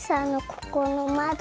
ここのまど。